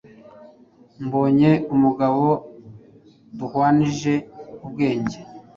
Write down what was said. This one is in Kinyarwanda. mbonye umugabo duhwanyije ubwenge,